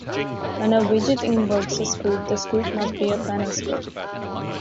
When a widget invokes a script, the script must be a panel script.